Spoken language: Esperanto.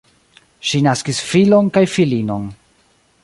Ŝi naskis filon kaj filinon.